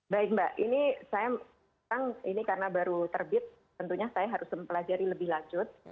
baik mbak ini karena baru terbit tentunya saya harus mempelajari lebih lanjut